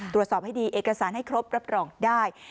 ตรวจสอบให้ดีเอกสารให้ครบรับรองได้